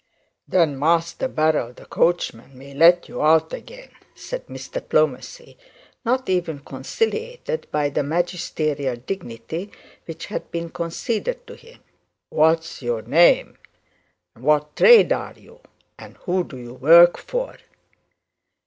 'Then Master Barrell the coachman may let you out again,' said Mr Plomacy, not even conciliated by the magisterial dignity which had been conceded to him. 'What's your name? And what trade are you, and who do you work for?'